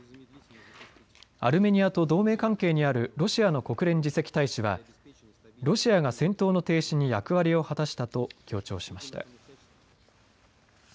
アルメニアと同盟関係にあるロシアの国連次席大使はロシアが戦闘の停止に役割を果たしたと強調しました。